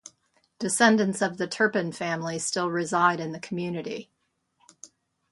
Descendants of the Turpin family still reside in the community.